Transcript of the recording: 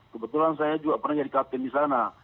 kebetulan saya juga pernah jadi kapten di sana